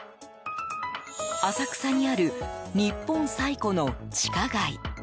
浅草にある日本最古の地下街。